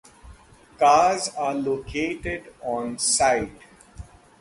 Cars are located onsite.